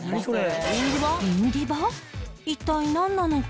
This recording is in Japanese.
一体なんなのか？